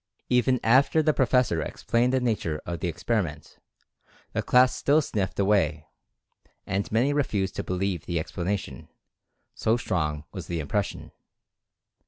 Even after the professor explained the nature of the experiment, the class still sniffed away, and many refused to believe the explanation, so strong was the impression.